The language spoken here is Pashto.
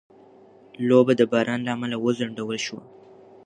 لوبه د باران له امله وځنډول شوه.